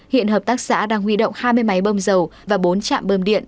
hiện hợp tác xã đang huy động hai mươi máy bơm dầu và bốn trạm bơm điện